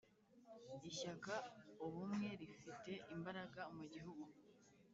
Ishyaka ubumwe rifite imbaraga mugihugu